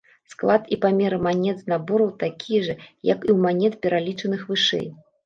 Склад і памеры манет з набораў такія жа, як і ў манет, пералічаных вышэй.